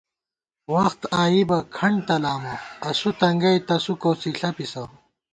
وخت آئیبہ کھنٹ تلامہ، اسُو تنگَئ تسُو کوڅی ݪَپِسہ